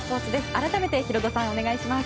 改めてヒロドさん、お願いします。